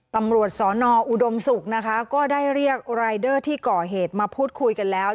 ตำรวจสอนออุดมศุกร์นะคะก็ได้เรียกรายเดอร์ที่ก่อเหตุมาพูดคุยกันแล้ว